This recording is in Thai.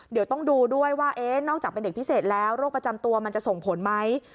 เดี๋ยวต้องดูด้วยว่านอกจากเป็นเด็กพิเศษแล้วโรคประจำตัวมันจะส่งผลไหม